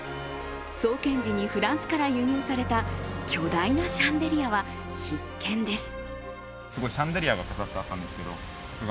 創建時にフランスから輸入された巨大なシャンデリアは必見です。